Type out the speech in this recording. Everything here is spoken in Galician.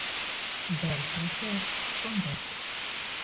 Berto e Fer son "Verto".